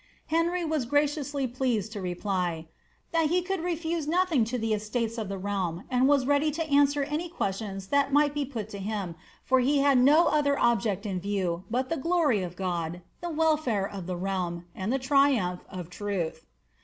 Henry was graciously {leased to reply, ^ That he could refuse nothing k> the estates of the realm, and was ready to answer any questions that might be put to him, for be had no other object in view but the glory »f God, the welfare of the realm, and the triumph of the truth."